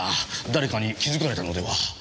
誰かに気づかれたのでは？